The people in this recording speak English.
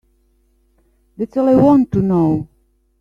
That's all I want to know.